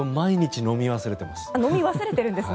飲み忘れてるんですね。